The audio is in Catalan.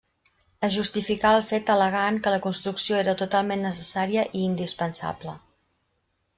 Es justificà el fet al·legant que la construcció era totalment necessària i indispensable.